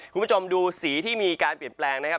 คุณผู้ชมดูสีที่มีการเปลี่ยนแปลงนะครับ